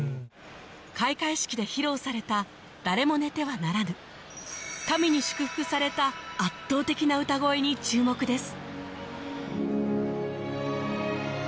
開会式で披露された『誰も寝てはならぬ』神に祝福された圧倒的な歌声に注目です